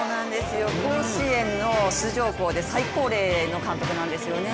甲子園の出場校で最高齢の監督なんですよね。